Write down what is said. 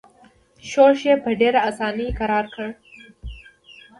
ښورښ یې په ډېره اساني کرار کړ.